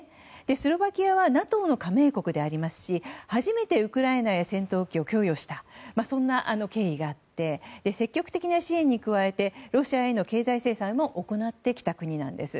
スロバキアはＮＡＴＯの加盟国でありますし初めてウクライナへ戦闘機を供与した、そんな経緯があって積極的な支援に加えてロシアへの経済制裁も行ってきた国です。